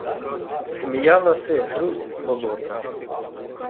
сміяласи грузь з болота